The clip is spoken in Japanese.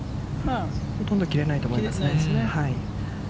ほとんど切れないと思いますね。